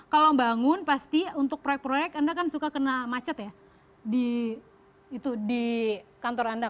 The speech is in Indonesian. kalau bangun pasti untuk proyek proyek anda kan suka kena macet ya di kantor anda